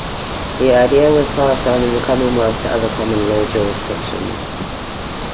This idea was passed on in the Commonwealth to other common law jurisdictions.